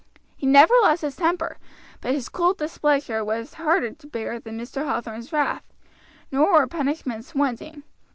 He never lost his temper; but his cold displeasure was harder to bear than Mr. Hathorn's wrath; nor were punishments wanting.